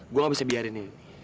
gue gak bisa biarin nih